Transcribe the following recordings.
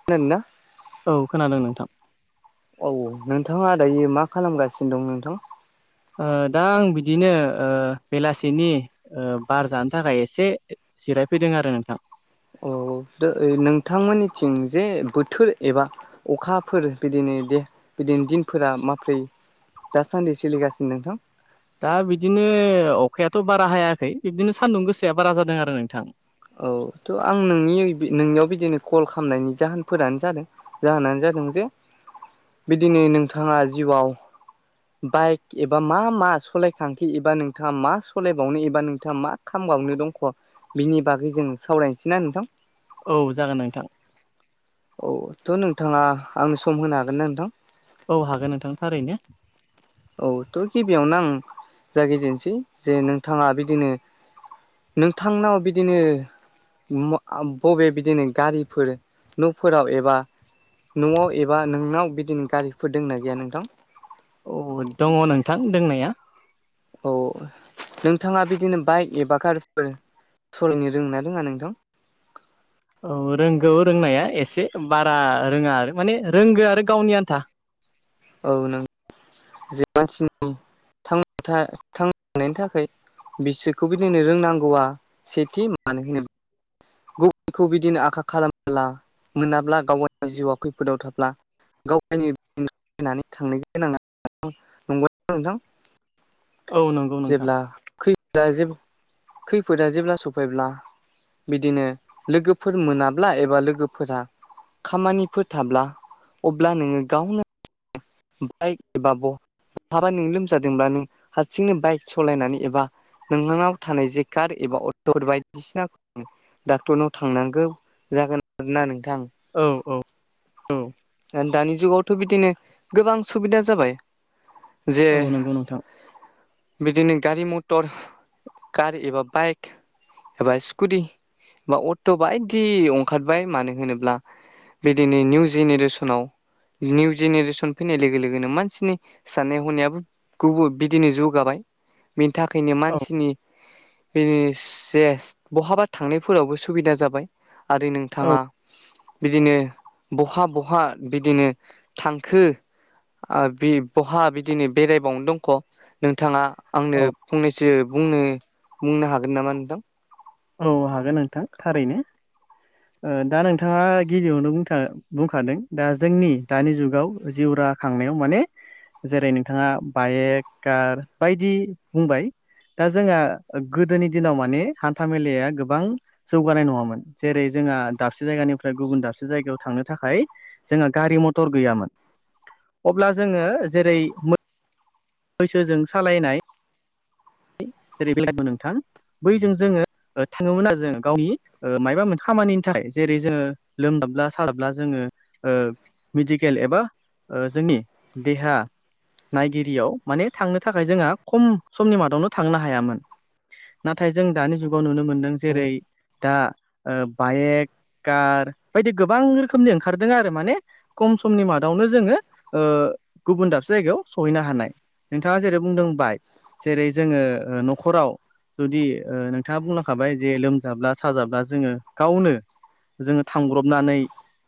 खोनादों ना? औ खोनादों नोंथां। औ नोंथांङा दायो मा खालामगासिनो दं नोंथां? ओ दा आं बिदिनो ओ बेलासिनि ओ बार जानो थाखाय एसे जिरायफैदों आरो नोंथां। द नोंथांमोननिथिं जे बोथोर एबा अखाफोर बिदिनो द बिदिनो दिनफोरा माब्रै। दासान्दि सोलिगासिनो नोंथां। दा बिदिनो अखायाथ' बारा हायाखै बिब्दिनो सान्दुं गोसाया बारा जादों आरो नोंथां। औ थ' आं नोंनि नोंनियाव बिदिनो कल खालामनायनि जाहोनफोरानो जादों। जाहोनानो जादों जे बिदिनो नोंथांङा जिउआव बाइक एबा मा मा सलायखांखि एबा नोंथांङा मा सलायबावनो एबा नोंथांङा मा खामबावनो दंख' बिनि बागै जों सावरायनोसैना नोंथां? औ जागोन नोंथां। औ थ' नोंथांङा आंनो सम होनो हागोन ना नोंथां? औ हागोन नोंथां थारैनो। औ थ' गिबियावनो आं जागिजेनसै जे नोंथांङा बिदिनो नोंथांनाव बिदिनो बबे बिदिनो गारिफोर न'फोराव एबा न'आव एबा नोंनाव बिदिनो गारिफोर दंना गैया नोंथां औ दङ' नोंथां दंनाया औ नोंथाङा बिदिनो बाइक एबा कारफोर सलायनो रोङाना रोङा नोंथां औ रोंगौ रोंनाया एसे बारा रोङा आरो माने रोंगौ आरो गावनि आन्था औ नों जे मानसिनि [unintelligible] थांनायनि थाखाय बिसोरखौ बिदि होननो रोंनांगौआ सेथि मानो होनो गुबखौ बिदिनो आखा खालामला मोनाब्ला गावाव जिउआ खैफोदाव थाब्ला गाव गायनोनानै थांनो गोनां नंगौ [unintelligible] नोंथां औ नंगौ नोंथां जेब्ला जेबो खैफोदा जेब्ला सफैब्ला बिदिनो लोगोफोर मोनाब्ला एबा लोगोफोरा खामानिफोरो थाब्ला अब्ला नोङो गावनो बाइक एबा बहाबा नों लोमजादोंब्ला नों हारसिंनो बाइक सालायनानै एबा नोंनानाव थानाय जे कार एबा अट'फोर बायदिसिना डाक्टरनाव थांनांगौ जागोन आरोना नोंथां औ औ औ दानि जुगावथ' बिदिनो गोबां सुबिदा जाबाय जे औ नंगौ नोंथां बिदिनो गारि मथर कार एबा बाइक एबा स्कुटि बा अट' बायदि ओंखारबाय मानो होनोब्ला बिदिनो निउ जेनेरेसन निउ जेनेरेसन फैनाय लोगो लोगोनो मानसिनि साननाय हनायाबो गुबुन बिदिनो जौगाबाय बेनि थाखायनो औ मानसिनि बे जे बहाबा थांनायफोरावबो सुबिदा जाबाय आरो औ नोंथाङा बिदिनो बहा बहा बिदिनो थांखो आ बे बहा बिदिनो बेरायबावनो दंख' नोंथाङा आंनो औ फंनैसो बुंनो बुंनो हागोन नामा नोंथां? औ हागोन नोंथां थारैनो ओ दा नोंथाङा गिबियावनो बुंथा बुंखादों दा जोंनि दानि जुगाव जिउ रा खांनायाव माने जेरै नोंथाङा बाइक कार बायदि बुंबाय दा जोंहा गोदोनि दिनाव माने हान्था मेलाया गोबां जौगानाय नङामोन जेरै जोंहा दाबसे जायगानिफ्राय गुबुन दाबसे जायगायाव थांनो थाखाय जोंहा गारि मथर गैयामोन अब्ला जोङो जेरै बैसोजों सालायनाय जेरै बे नोंथां बैजों जोङो थाङोमोन आरो जोङो गावनि [unintelligible] मायबा मोनसे खामानिनि थाखाय जेरै जोङो लोमदाबब्ला सादाब्ला जोङो [unintelligible] मेडिकेल एबा ओ जोंनि देहा नायगिरियाव माने थांनो थाखाय जोंहा खम समनि मादा नो थांनो हायामोन नाथाय जों दानि जुगाव नुनो मोन्दों जेरै दा ओ बाइक कार बायदि गोबां रोखोमनि ओंखारदों आरो माने खम समनि मादावनो जोङो ओ गुबुन दाबसे जायगायाव सहैनो हानाय। नोंथाङा जेरै बुंदोंबाय जेरै जोङो ओ न'खराव जुदि नोंथाङा बुंलांखाबाय जे लोमजाब्ला साजाब्ला जोङो गावनो जोङो थांब्रबनानै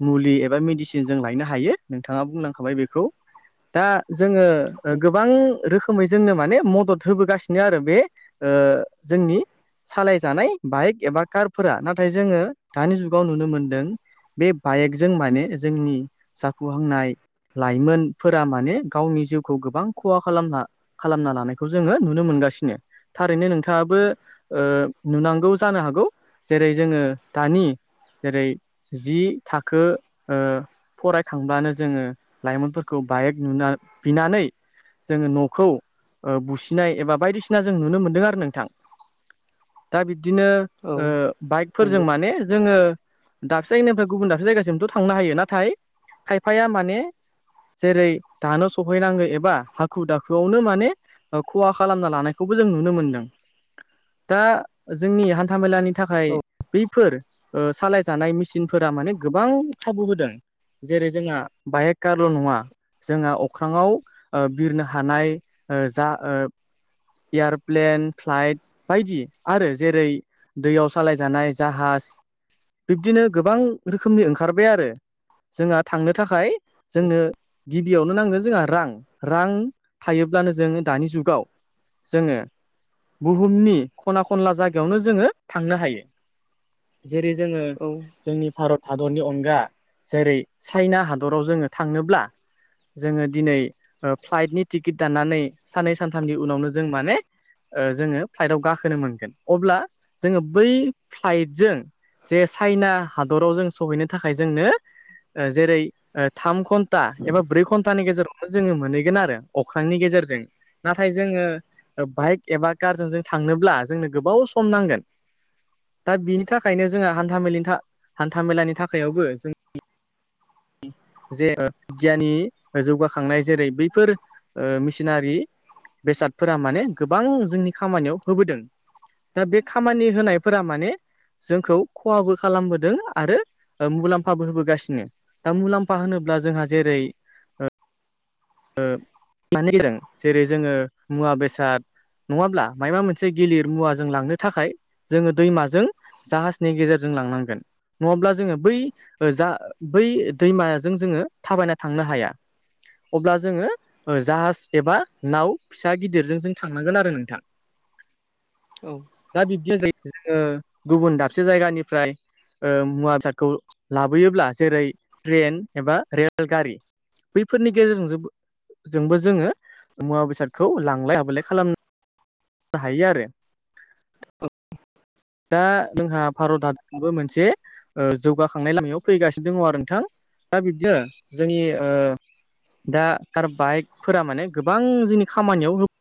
मुलि एबा मेडिसिन जों लायनो हायो नोंथाङा बुंनांखाबाय बेखौ। दा जोङो औ गोबां रोखोमै जोंनो माने मदद होबोगासिनो आरो बे ओ जोंनि सालायजानाय बाइक एबा कारफोरा नाथाय जोङो दानि जुगाव नुनो मोनदों बे बाइकजों माने जोंनि जाफुहांनाय लाइमोनफोरा माने गावनि जिउखौ गोबां खहा खालामना खालामना लानायखौ खौ जोङो नुनो मोनगासिनो थारैनो नोंथाङाबो ओ नुनांगौ जानो हागौ जेरै जोङो दानि जेरै जि थाखो ओ फरायखांब्लानो जोङो लाइमोनफोरखौ बाइक नुना बिनानै जोङो न'खौ ओ बुसिनाय एबा बायदिसिना जों नुनो मोनदों आरो नोंथां दा बिब्दिनो औ ओ बाइकफोरजों नंगौ माने जोङो दाबसे जायगानिफ्राय गुबुन दाबसे जायगा जोंथ' थांनो हायो नाथाय खायफाया माने जेरै दानो सहैनांगौ एबा हाखु दाखुआवनो माने ओ खहा खालामना लानायखौबो जों नुनो मोनदों। दा जोंनि हान्थामेलानि थाखाय औ बैफोर ओ सालायजानाय मेसिनफोरा माने गोबां खाबु होदों। जेरै जोंहा बायेगाल' नङा जोंहा अख्राङाव ओ बिरनो हानाय ओ जा ओ एयार'प्लेन फ्लाइट बायदि आरो जेरै - दैयाव सालायजानाय जाहाज बिब्दिनो गोबां रोखोमनि ओंखारबाय आरो जोंहा थांनो थाखाय जोंनो गिबियावनो नांगोन जोंहा रां रां थायोब्लानो जों दानि जुगाव जोङो बुहुमनि खना खनला जागायावनो जोङो थांनो हायो। जेरै जोङो औ जोंनि भारत हादरनि अनगा जेरै चाइना हादराव जोङो थांनोब्ला जोङो दिनै ओ फ्लाइटनि टिकेट दाननानै साननै सानथामनि उनावनो जों माने ओ जोङो फ्लाइटआव गाखोनो मोनगोन अब्ला जोङो बै फ्लाइटजों जे चाइना हादराव जों सहैनो थाखाय जोंनो ओ जेरै ओ थाम घन्टा एबा ब्रै घन्टानि गेजेरावनो जोङो मोनहैगोन आरो अख्रांनि गेजेरजों। नाथाय जोङो बाइक एबा कारजों जों थांनोब्ला जोंनो गोबाव सम नांगोन। दा बिनि थाखायनो जोंहा हान्थ मेलिनथा हान्थ मेलानि थाखायबो जों जे [unintelligible] गियाननि जौगाखांनाय जेरै बैफोर ओ मिसिनारि बेसादफोरा माने गोबां जोंनि खामानियाव होबोदों ‌। दा बे खामानि होनायफोरा माने जोंखौ खहाबो खालामबोदों आरो ओ मुलाम्फाबो होबोगासिनो। दा मुलाम्फा होनोब्ला जोंहा जेरै ओ माने जों जेरै जोङो मुवा बेसाद नङाब्ला मायबा मोनसे गिलिर मुवाजों लांनो थाखाय जोङो दैमाजों जाहाजनि गेजेरजों लांनांगोन। नङाब्ला जोङो बै ओ जा बै दैमाजों जोङो थाबायना थांनो हाया। अब्ला जोङो जाहाज एबा नाव फिसा गिदिरजों जों थांनांगोन आरो नोंथां। औ दा बिब्दिया जायो जोङो गुबुन दाबसे जायगानिफ्राय ओ मुवा बेसादखौ लाबोयोब्ला जेरै ट्रेन एबा रेलगारि बैफोरनि गेजेरजोंबो जोंबो जोङो मुवा बेसादखौ लांलाय हाबलाय खालाम हायो आरो दा जोंहा भारत हा मोनसे ओ जौगाखांनाय लामायाव फैगासिनो दङ आरो नोंथां। दा बिब्दिनो जोंनि ओ दा कार बाइकफोरा माने गोबां जोंनि खामानियाव हो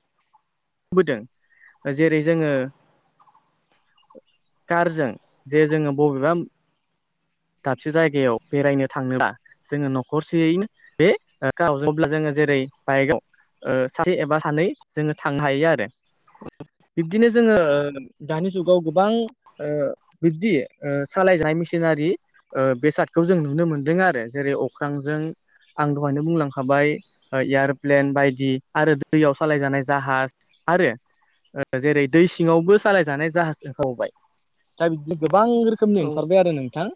बोदों जेरै जोङो कारजों जे जोङो बबेबा दाबसे जायगायाव बेरायनो थांला जोङो न'खरसेयैनो बे ओ गावजों अब्ला जोङो जेरै बाइकआव ओ सासे एबा सानै जोङो थांनो हायो आरो बिब्दिनो जोङो ओ दानि जुगाव गोबां ओ बिब्दि ओ सालायजानाय मेसिनारि ओ बेसादखौ जों नुनो मोन्दों आरो जेरै अख्रांजों आं दहायनो बुंलांखाबाय ओ एयार'प्लेन बायदि आरो दैयाव सालायजानाय जाहाज आरो जेरै दै सिङावबो सालायजानाय जाहाज ओखारबावबाय दा बिदिनो गोबां औ रोखोमनि ओंखारबाय आरो नोंथां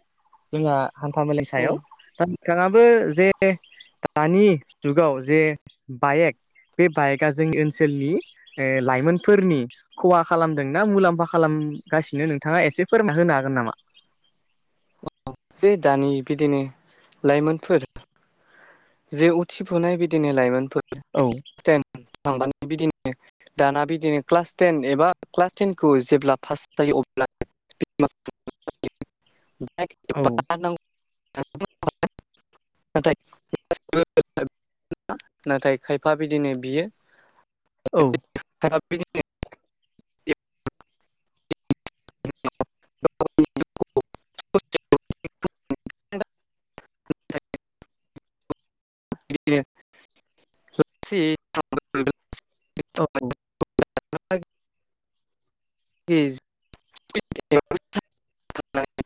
जोंहा हान्था मेलानि औ सायाव दा बिथाङाबो जे दानि जुगाव जे बाएक बे बाइकआ जोंनि ओनसो ओनसोलनि ओ लाइमोनफोरनि खहा खालामदों ना मुलाम्फा खालामगासिनो नोंथाङा एसे फोरमायना होनो हागोन नामा जे दानि बिदिनो लाइमोनफोर जे उथिफुनाय बिदिनो लाइमोनफोर औ थेन थांबानो बिदिनो दाना बिदिनो क्लास टेन एबा क्लास टेनखौ जेब्ला पास जायो अब्ला औ [unintelligible] नाथाय [unintelligible] नाथाय खायफा बिदिनो बियो औ [unintelligible] [unintelligible] औ [unintelligible]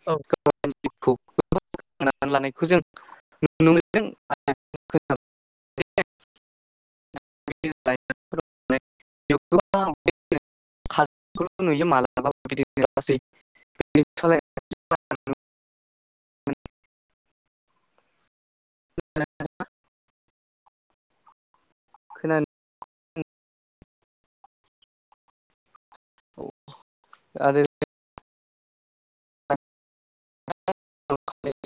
औ [unintelligible] [unintelligible] [unintelligible] खोनानो उम औ आरो [unintelligible]